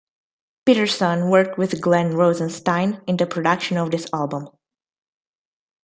Peterson worked with Glenn Rosenstein, in the production of this album.